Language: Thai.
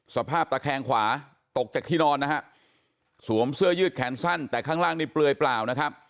สภาพตะแคงขวาตกจากที่นอนนะฮะสวมเสื้อยืดแขนสั้นแต่ข้างล่างนี่เปลือยเปล่านะครับ